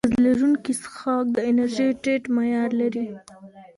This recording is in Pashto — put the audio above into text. ګاز لرونکي څښاک د انرژۍ ټیټ معیار لري.